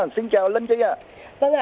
xin chào linh trị ạ